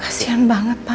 kasian banget pa